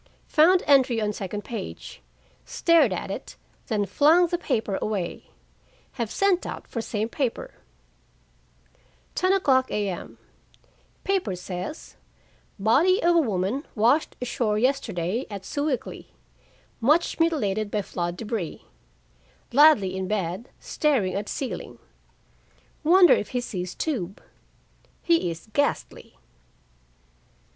Found entry on second page, stared at it, then flung the paper away. Have sent out for same paper. 10:00 A.M. Paper says: "Body of woman washed ashore yesterday at Sewickley. Much mutilated by flood débris." Ladley in bed, staring at ceiling. Wonder if he sees tube? He is ghastly.